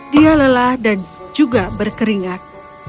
dia lelah dan juga berkeringat